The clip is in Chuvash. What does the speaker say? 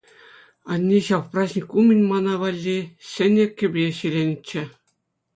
Анне ҫав праҫник умӗн мана валли сӗнӗ кӗпе ҫӗленӗччӗ.